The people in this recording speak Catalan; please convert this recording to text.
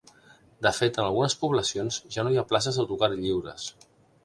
De fet, en algunes poblacions ja no hi ha places d’autocar lliures.